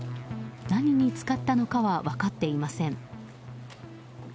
何に使ったのかは分かっていません。